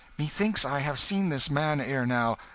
"Methinks I have seen this man ere now